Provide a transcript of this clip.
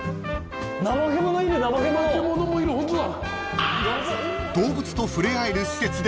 ナマケモノもいるホントだ。